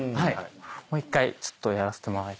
もう１回ちょっとやらせてもらえ。